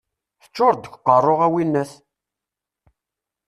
Teččureḍ deg uqerru, a winnat!